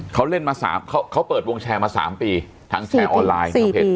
เขาเล่นมา๓เขาเปิดวงแชร์มา๓ปีทั้งแชร์ออนไลน์ทางเพจ